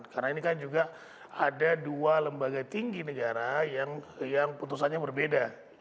karena ini kan juga ada dua lembaga tinggi negara yang putusannya berbeda